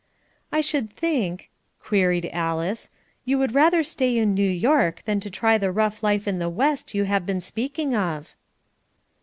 "I should think," queried Alice, "you would rather stay in New York than to try the rough life at the West you have been speaking of."